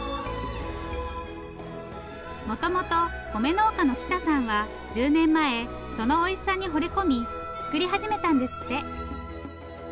もともと米農家の北さんは１０年前そのおいしさにほれ込み作り始めたんですって。